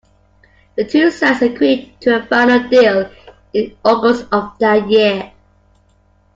The two sides agreed to a final deal in August of that year.